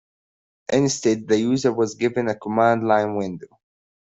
Instead, the user was given a command line window.